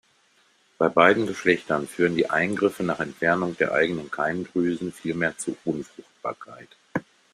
Bei beiden Geschlechtern führen die Eingriffe nach Entfernung der eigenen Keimdrüsen vielmehr zur Unfruchtbarkeit.